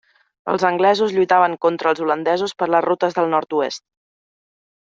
Els anglesos lluitaven contra els holandesos per les rutes del nord-oest.